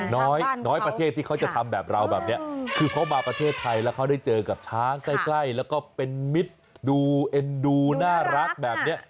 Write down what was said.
น้อยน้อยประเทศที่เขาจะทำแบบเราแบบนี้คือเขามาประเทศไทยแล้วเขาได้เจอกับช้างใกล้แล้วก็เป็นมิตรดูเอ็นดูน่ารักแบบนี้